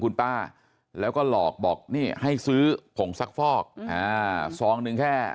คุณป้าแล้วก็หลอกบอกนี่ให้ซื้อผงซักฟอกอ่าซองหนึ่งแค่